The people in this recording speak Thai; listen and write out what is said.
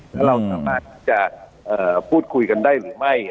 แล้วเราสามารถที่จะพูดคุยกันได้หรือไม่